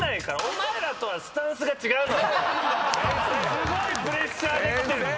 すごいプレッシャーで来てるの。